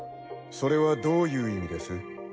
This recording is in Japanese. それはどういう意味です？